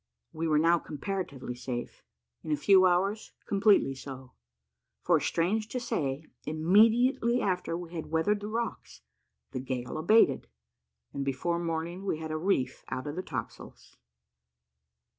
We were now comparatively safe in a few hours completely so: for, strange to say, immediately after we had weathered the rocks, the gale abated, and before morning we had a reef out of the topsails.